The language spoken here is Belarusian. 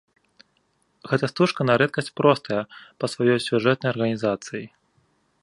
Гэта стужка на рэдкасць простая па сваёй сюжэтнай арганізацыі.